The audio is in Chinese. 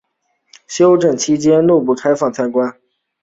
整修期间恕不开放参观